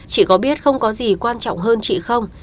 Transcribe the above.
chỉ có biết không có gì quan trọng hơn chị không